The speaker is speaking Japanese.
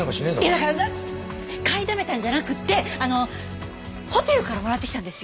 いやだから買いだめたんじゃなくてホテルからもらってきたんですよ。